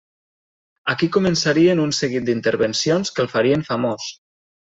Aquí començarien un seguit d'intervencions que el farien famós.